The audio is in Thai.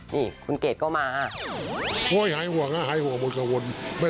นี่คุณเกดเข้ามา